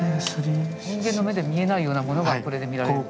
人間の目で見えないようなものがこれで見られる。